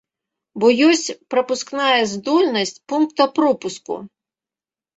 Бо ёсць прапускная здольнасць пункта пропуску.